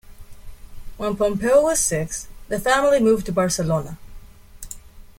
When Pompeu was six, the family moved to Barcelona.